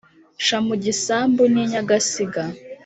nca mu gisambu n'i nyagasig